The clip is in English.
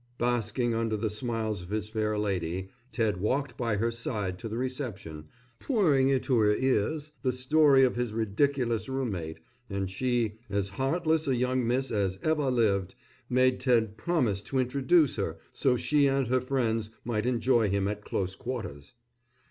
Basking under the smiles of his fair lady, Ted walked by her side to the reception, pouring into her ears the story of his ridiculous roommate, and she, as heartless a young miss as ever lived, made Ted promise to introduce her so she and her friends might enjoy him at close quarters.